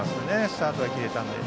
スタートが切れたので。